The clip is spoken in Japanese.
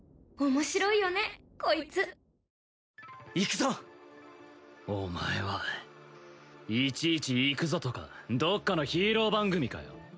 面白いよねこいつ行くぞお前はいちいち行くぞとかどっかのヒーロー番組かよ